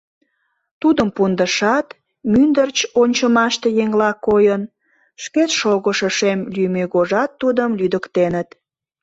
Тудым пундышат, мӱндырч ончымаште еҥла койын, шкет шогышо шем лӱмегожат тудым лӱдыктеныт.